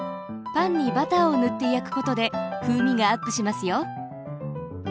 パンにバターを塗って焼くことで風味がアップしますよ！